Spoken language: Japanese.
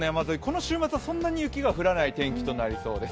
週末はそんなに雪が降らない天気となりそうです。